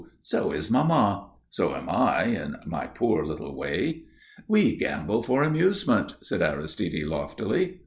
So is mamma. So am I, in my poor little way." "We gamble for amusement," said Aristide loftily.